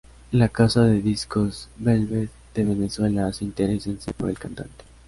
La casa de discos Velvet de Venezuela se interesa enseguida por el cantante.